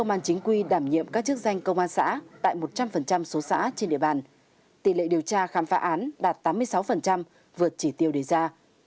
và án đạt tám mươi sáu vượt chỉ tiêu đề ra